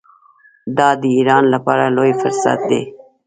دا د ایران لپاره لوی فرصت دی.